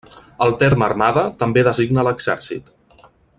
El terme armada també designa l'exèrcit.